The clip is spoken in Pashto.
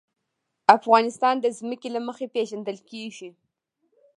افغانستان د ځمکه له مخې پېژندل کېږي.